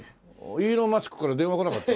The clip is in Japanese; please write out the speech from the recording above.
イーロン・マスクから電話来なかった？